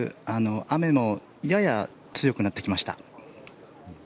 雨もやや強くなってきました。